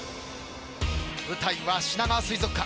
舞台はしながわ水族館。